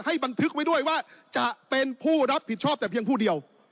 บันทึกไว้ด้วยว่าจะเป็นผู้รับผิดชอบแต่เพียงผู้เดียว